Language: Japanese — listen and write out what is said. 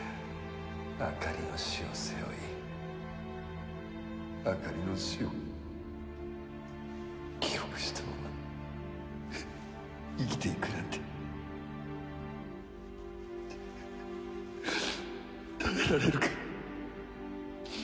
あかりの死を背負いあかりの死を記憶したまま生きていくなんて耐えられるか！